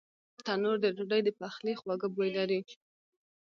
تنور د ډوډۍ د پخلي خواږه بوی لري